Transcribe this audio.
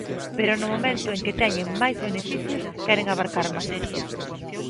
Pero no momento en que teñen máis beneficios, queren abarcar máis.